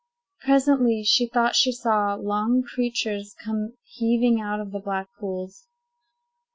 Presently, she thought she saw long creatures come heaving out of the black pools.